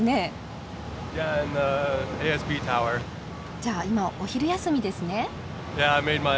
じゃあ今お昼休みですね。